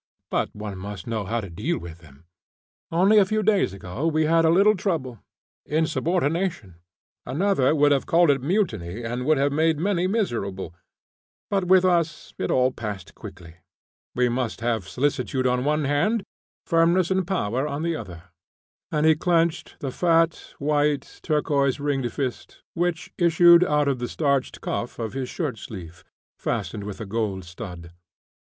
But one must know how to deal with them. Only a few days ago we had a little trouble insubordination; another would have called it mutiny, and would have made many miserable, but with us it all passed quietly. We must have solicitude on one hand, firmness and power on the other," and he clenched the fat, white, turquoise ringed fist, which issued out of the starched cuff of his shirt sleeve, fastened with a gold stud.